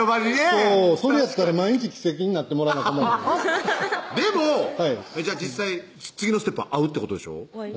そうそれやったら毎日奇跡になってもらわな困るでも実際次のステップは会うってことでしょ